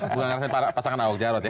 bukan ngerasain pasangan awok jarot ya